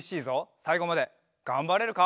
さいごまでがんばれるか？